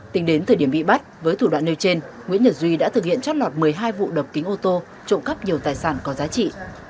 tính đến thời điểm bị bắt với thủ đoạn nêu trên nguyễn nhật duy đã thực hiện trót lọt một mươi hai vụ đập kính ô tô trộm cắp nhiều tài sản có giá trị